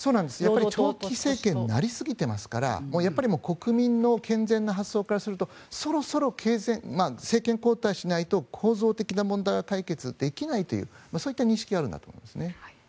長期政権になりすぎていますから国民の健全な発想からするとそろそろ政権交代しないと構造的な問題は解決できないというそういった認識があるんだと思います。